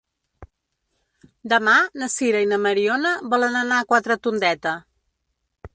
Demà na Sira i na Mariona volen anar a Quatretondeta.